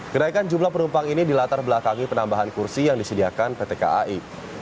kenaikan jumlah penumpang ini dilatar belakangi penambahan kursi yang disediakan pt kai